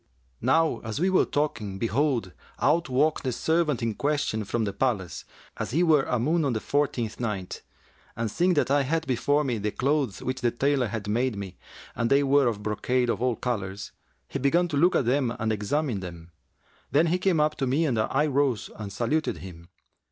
Now as we were talking, behold, out walked the servant in question from the palace, as he were a moon on the fourteenth night; and, seeing that I had before me the clothes which the tailor had made me, and they were of brocade of all colours, he began to look at them and examine them. Then he came up to me and I rose and saluted him.